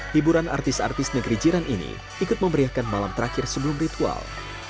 hiburan artis artis negeri jiran ini ikut memberiakan malam terakhir sebelum ritual